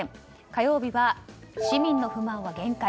火曜日は市民の不満は限界